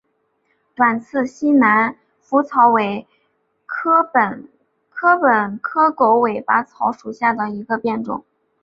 短刺西南莩草为禾本科狗尾草属下的一个变种。